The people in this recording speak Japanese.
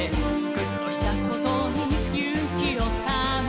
「ぐっとひざっこぞうにゆうきをため」